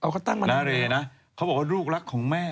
เขาบอกว่าลูกรักของแม่